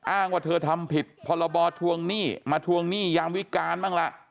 อ้างว่าเธอทำผิดพรบทวงหนี้มาทวงหนี้ยามวิการบ้างล่ะ